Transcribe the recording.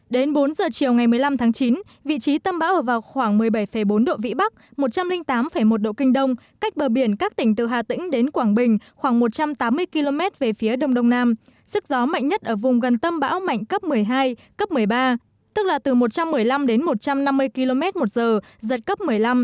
đến bốn giờ chiều ngày một mươi năm tháng chín vị trí tâm bão ở vào khoảng một mươi bảy bốn độ vĩ bắc một trăm linh tám một độ kinh đông cách bờ biển các tỉnh từ hà tĩnh đến quảng bình khoảng một trăm tám mươi km về phía đông đông nam sức gió mạnh nhất ở vùng gần tâm bão mạnh cấp một mươi hai cấp một mươi ba tức là từ một trăm một mươi năm đến một trăm năm mươi km một giờ giật cấp một mươi năm